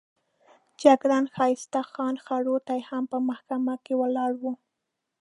جګړن ښایسته خان خروټی هم په محکمه کې ولاړ وو.